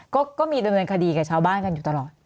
ก็มีดำเนินคดีกับชาวบ้านกันอยู่ตลอด